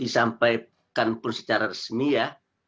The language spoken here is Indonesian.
disampaikan pun secara resmi ya